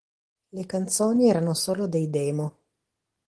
Le canzoni erano solo dei demo.